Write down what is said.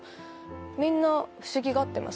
みんな不思議がってますね。